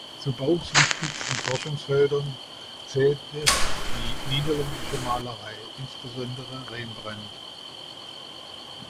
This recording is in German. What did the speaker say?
Zu Bauchs wichtigsten Forschungsfeldern zählte die niederländische Malerei, insbesondere Rembrandt.